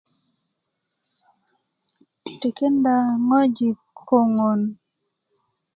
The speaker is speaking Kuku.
'n tikinda ŋojik koŋon